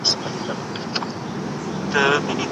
که په لیکنه کي ټکي نه وي نو مانا یې بدلیږي.